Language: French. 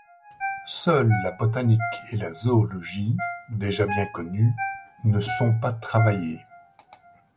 Seules la botanique et la zoologie, déjà bien connues, ne sont pas travaillées.